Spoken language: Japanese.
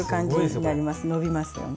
伸びますよね。